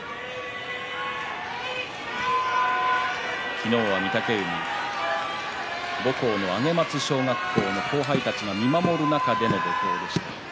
昨日は御嶽海母校の上松小学校の後輩たちが見守る中での土俵でした。